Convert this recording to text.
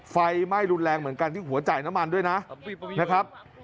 ไฟไหม้รุนแรงเหมือนกันที่หัวจ่ายน้ำมันด้วยนะครับ